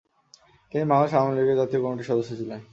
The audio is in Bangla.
তিনি বাংলাদেশ আওয়ামী লীগের জাতীয় কমিটির সদস্য ছিলেন।